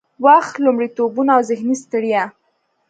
وخت، لومړيتوبونه او ذهني ستړيا